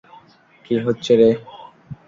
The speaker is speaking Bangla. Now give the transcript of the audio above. কী হচ্ছে রে?